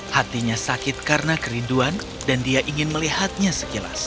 hatinya sakit karena kerinduan dan dia ingin melihatnya sekilas